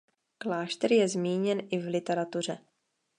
Klášter je zmíněn i v literatuře.